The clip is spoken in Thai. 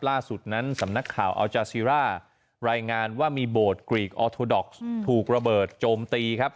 ล่าสุดนั้นสำนักข่าวอัลจาซีร่ารายงานว่ามีโบสถ์กรีกออโทดอกซ์ถูกระเบิดโจมตีครับ